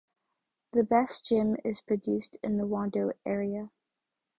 The best Gim is produced in the Wando area.